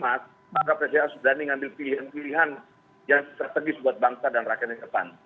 maka presiden harus berani mengambil pilihan pilihan yang strategis buat bangsa dan rakyatnya ke depan